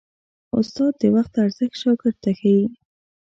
استاد د وخت ارزښت شاګرد ته ښيي.